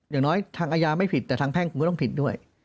อย่างน้อยทางอาญาไม่ผิดแต่ทางแพ่งคุณก็ต้องผิดด้วย